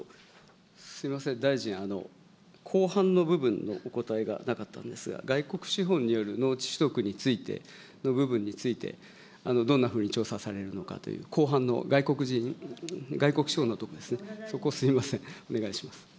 すみません、大臣、後半の分のお答えがなかったんですが、外国資本による農地取得についての部分について、どんなふうに調査されるのかという、後半の外国資本のとこですね、そこ、すみません、お願いします。